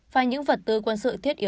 và những vật tư quân sự thiết